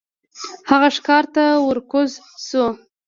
هغه ښکار ته ور کوز شو.